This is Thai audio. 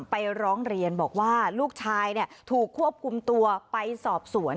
ร้องเรียนบอกว่าลูกชายถูกควบคุมตัวไปสอบสวน